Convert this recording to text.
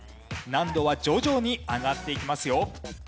難度は徐々に上がっていきますよ。